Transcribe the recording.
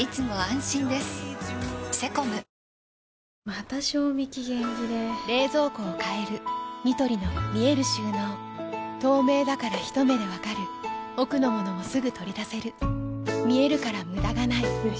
また賞味期限切れ冷蔵庫を変えるニトリの見える収納透明だからひと目で分かる奥の物もすぐ取り出せる見えるから無駄がないよし。